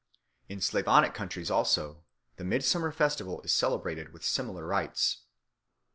In Slavonic countries, also, the midsummer festival is celebrated with similar rites.